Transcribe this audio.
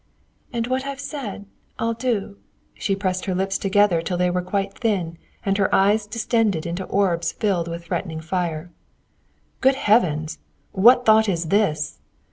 "And what I've said, I'll do" and she pressed her lips together till they were quite thin, and her eyes distended into orbs filled with threatening fire. "Good Heavens! what thought is this?"